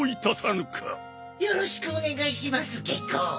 よろしくお願いしますゲコ。